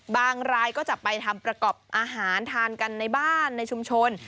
รายก็จะไปทำประกอบอาหารทานกันในบ้านในชุมชน